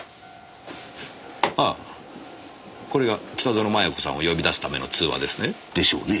ああこれが北薗摩耶子さんを呼び出すための通話ですね。でしょうね。